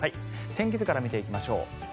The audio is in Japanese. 天気図から見ていきましょう。